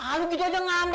aduh gitu aja ngambek